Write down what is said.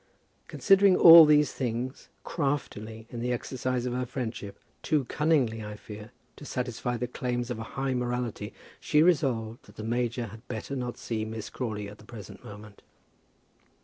Considering all these things, craftily in the exercise of her friendship, too cunningly, I fear, to satisfy the claims of a high morality, she resolved that the major had better not see Miss Crawley at the present moment.